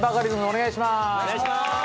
お願いします。